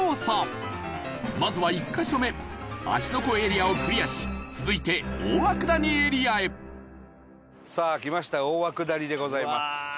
まずは、１カ所目芦ノ湖エリアをクリアし続いて、大涌谷エリアへ伊達：さあ、来ました大涌谷でございます。